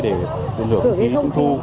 để tận hưởng không khí trung thu